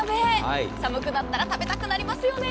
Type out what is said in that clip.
寒くなったら食べたくなりますよね。